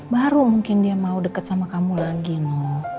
baru mungkin dia mau deket sama kamu lagi no